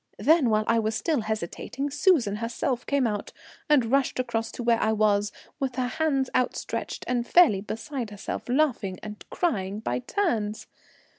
Then, while I was still hesitating, Susan herself came out and rushed across to where I was, with her hands outstretched and fairly beside herself, laughing and crying by turns.